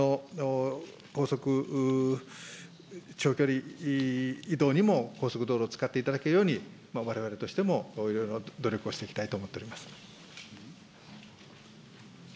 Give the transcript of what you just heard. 高速長距離移動にも高速道路を使っていただけるように、われわれとしてもいろいろ努力をしていきたいと思っております。